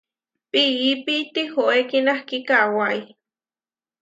Piipi tihoé kinahkí kawái.